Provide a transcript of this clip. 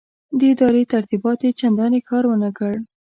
د ادارې ترتیبات یې چنداني کار ورنه کړ.